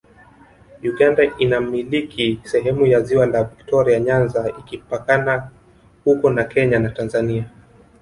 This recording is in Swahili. Uganda inamiliki sehemu ya ziwa la Viktoria Nyanza ikipakana huko na Kenya na Tanzania